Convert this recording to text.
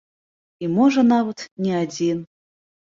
І можа, нават, не адзін.